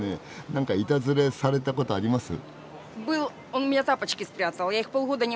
何かいたずらされたことあります？